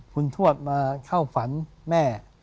คุณทวดมาเข้าฝันแม่